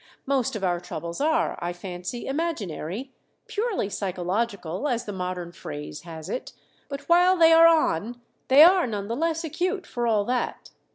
Most of our troubles are, I fancy, imaginary purely psychological, as the modern phrase has it but while they are on they are none the less acute for all that.